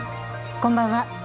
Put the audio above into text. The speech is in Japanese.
こんばんは。